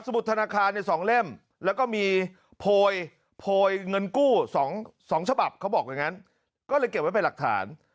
บุตรธนาคารใน๒เล่มแล้วก็มีโพยเงินกู้๒ฉบับเขาบอกอย่างนั้นก็เลยเก็บไว้เป็นหลักฐาน